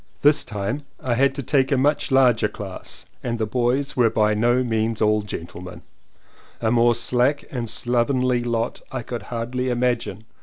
This time I had to take a much larger class and the boys were by no means all gentlemen, A more slack and more slovenly lot I could hardly imagine.